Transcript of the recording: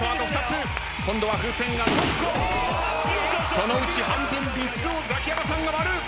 そのうち半分３つをザキヤマさんが割る！